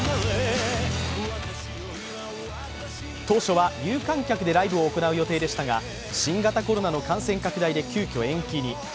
当初は有観客でライブを行う予定でしたが新型コロナの感染拡大で急きょ延期に。